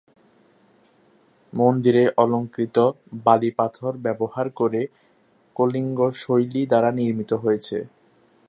মন্দিরে অলঙ্কৃত বালি পাথর ব্যবহার করে কলিঙ্গ শৈলী দ্বারা নির্মিত হয়েছে।